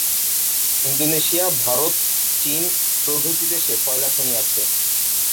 Indonesia, Bharat, চিন প্রভৃতি দেশে কয়লা খনি আছে।